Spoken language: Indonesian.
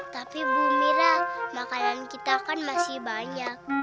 tapi bu mira makanan kita kan masih banyak